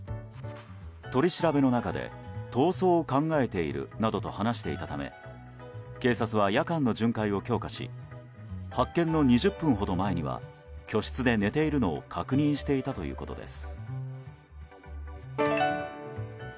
取り調べの中で逃走を考えているなどと話していたため警察は夜間の巡回を強化し発見の２０分ほど前には居室で寝ているのを確認していたということです。